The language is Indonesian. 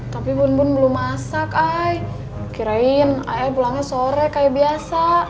tapi bun bun belum masak ayo kirain ayah pulangnya sore kayak biasa